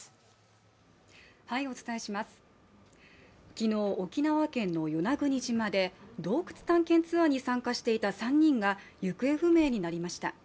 昨日、沖縄県の与那国島で洞窟探検ツアーに参加していた３人が行方不明になりました。